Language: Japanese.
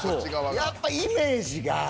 やっぱイメージが。